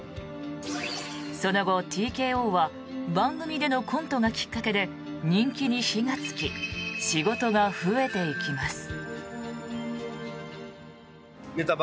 その後、ＴＫＯは番組でのコントがきっかけで人気に火がつき仕事が増えていきます。